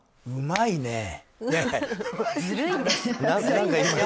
うまいね。